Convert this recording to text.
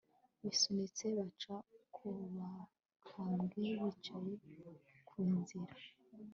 bisunitse, baca ku bakambwe bicaye ku nzira